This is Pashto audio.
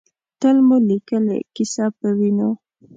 تل مو لیکلې ، کیسه پۀ وینو